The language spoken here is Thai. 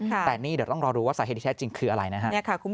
แต่นี่เดี๋ยวต้องรอดูว่าสาเหตุที่แท้จริงคืออะไรนะครับ